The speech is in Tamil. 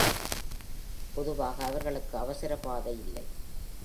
பொதுவாக, அவர்களுக்கு அவசர பாதை இல்லை.